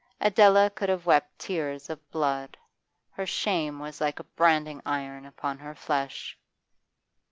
Adela could have wept tears of blood; her shame was like a branding iron upon her flesh.